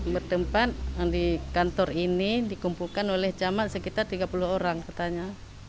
bertempat di kantor ini dikumpulkan oleh camat sekitar tiga puluh orang katanya